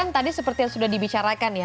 tadi seperti yang sudah dibicarakan ya